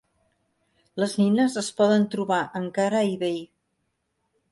Les nines es poden trobar encara a eBay.